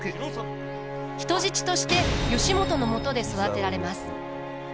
人質として義元のもとで育てられます。